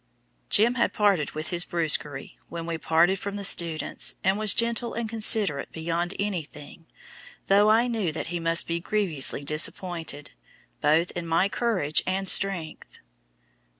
"Jim" had parted with his brusquerie when we parted from the students, and was gentle and considerate beyond anything, though I knew that he must be grievously disappointed, both in my courage and strength.